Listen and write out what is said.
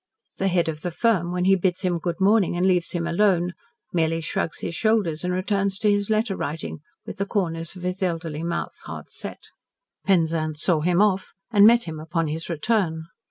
The head of the firm, when he bids him good morning and leaves him alone, merely shrugs his shoulders and returns to his letter writing with the corners of his elderly mouth hard set. Penzance saw him off and met him upon his return.